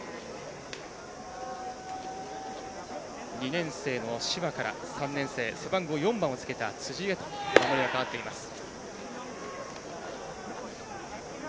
２年生の柴から３年生、背番号４番を着けた辻へと守りが代わっています。